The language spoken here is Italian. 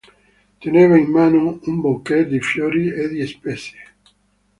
Teneva in mano un bouquet di fiori e di spezie.